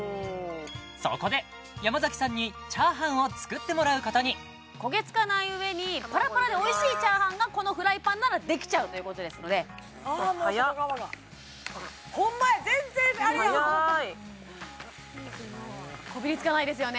そこで山さんにチャーハンを作ってもらうことに焦げ付かないうえにパラパラでおいしいチャーハンがこのフライパンならできちゃうということですのでもう外側がホンマや全然あれやわこびりつかないですよね